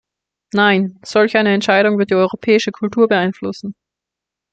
Nein, solch eine Entscheidung wird die europäische Kultur beeinflussen.